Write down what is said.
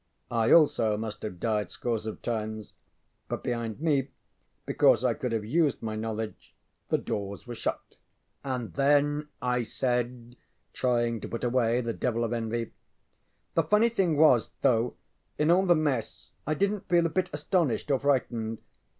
I also must have died scores of times, but behind me, because I could have used my knowledge, the doors were shut. ŌĆ£And then? ŌĆØ I said, trying to put away the devil of envy. ŌĆ£The funny thing was, though, in all the mess I didnŌĆÖt feel a bit astonished or frightened.